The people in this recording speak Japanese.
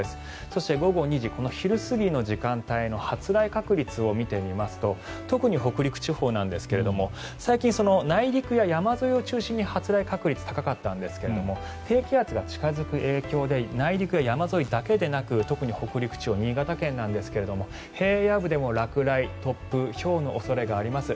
そして、午後２時昼過ぎの時間帯の発雷確率を見てみますと特に北陸地方ですが最近、内陸や山沿いを中心に発雷確率、高かったんですが低気圧が近付く影響で内陸や山沿いだけでなく特に北陸地方、新潟県ですが平野部でも落雷、突風ひょうの恐れがあります。